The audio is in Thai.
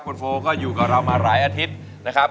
คุณโฟก็อยู่กับเรามาหลายอาทิตย์นะครับ